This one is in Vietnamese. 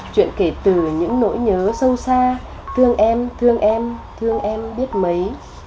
chuyện kể từ những nỗi nhớ sâu xa thương em thương em thương em biết mấy